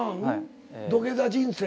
「土下座人生」？